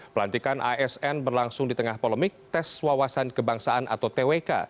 pelantikan asn berlangsung di tengah polemik tes wawasan kebangsaan atau twk